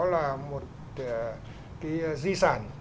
là một cái di sản